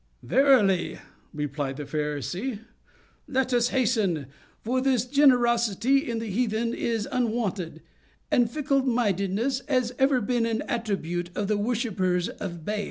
"Verily," replied the Pharisee; "let us hasten: for this generosity in the heathen is unwonted; and fickle mindedness has ever been an attribute of the worshippers of Baal."